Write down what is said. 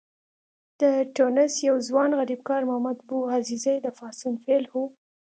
د ټونس یو ځوان غریبکار محمد بوعزیزي د پاڅون پیل و.